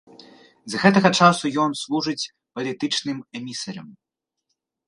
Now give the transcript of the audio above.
З гэтага часу ён служыць палітычным эмісарам.